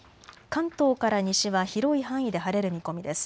関東から西は広い範囲で晴れる見込みです。